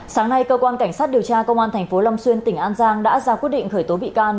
sáng nay cơ quan cảnh sát điều tra công an tp long xuyên tỉnh an giang đã ra quyết định khởi tố bị can